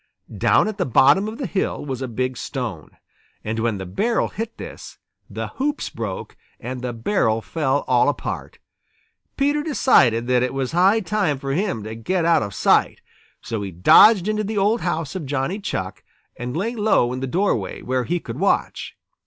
Down at the bottom of the hill was a big stone, and when the barrel hit this, the hoops broke, and the barrel fell all apart. Peter decided that it was high time for him to get out of sight. So he dodged into the old house of Johnny Chuck and lay low in the doorway, where he could watch.